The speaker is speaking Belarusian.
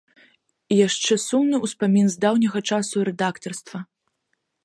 І яшчэ сумны ўспамін з даўняга часу рэдактарства.